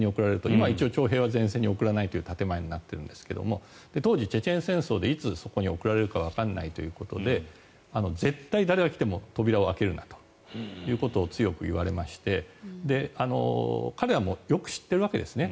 今一応、徴兵は前線に送られないという建前になっているんですが当時、チェチェン戦争でいつそこに送られるかわからないということで絶対に誰が来ても扉を開けるなということを強く言われまして彼はよく知っているわけですね。